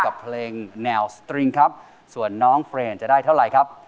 กับเพลงแนวสตริงครับส่วนน้องเฟรนจะได้เท่าไหร่ครับ